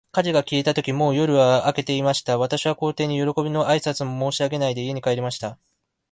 火事が消えたとき、もう夜は明けていました。私は皇帝に、よろこびの挨拶も申し上げないで、家に戻りました。